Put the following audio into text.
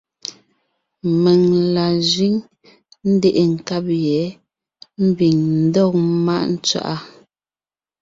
Mèŋ la sẅîŋ, ńdeʼe nkab yɛ̌ ḿbiŋ ńdɔg ḿmáʼ tswaʼá.